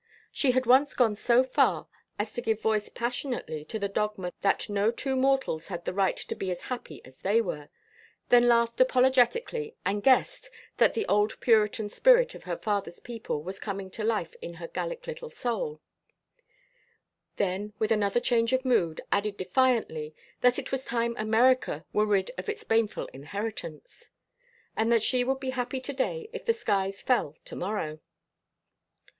She had once gone so far as to give voice passionately to the dogma that no two mortals had the right to be as happy as they were; then laughed apologetically and "guessed" that the old Puritan spirit of her father's people was coming to life in her Gallic little soul; then, with another change of mood, added defiantly that it was time America were rid of its baneful inheritance, and that she would be happy to day if the skies fell to morrow.